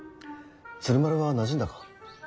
鶴丸はなじんだか。